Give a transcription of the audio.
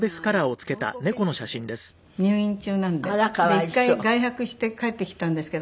１回外泊して帰ってきたんですけど